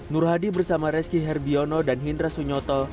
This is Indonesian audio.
nur hadi bersama reski herbiono dan hindra sunyoto